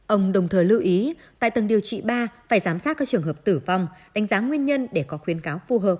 ông đồng thời lưu ý tại tầng điều trị ba phải giám sát các trường hợp tử vong đánh giá nguyên nhân để có khuyến cáo